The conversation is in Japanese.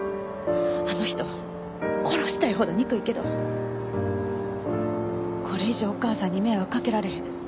あの人殺したいほど憎いけどこれ以上お母さんに迷惑掛けられへん。